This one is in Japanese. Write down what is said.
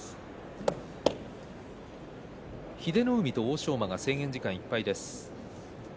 英乃海、欧勝馬制限時間いっぱいです。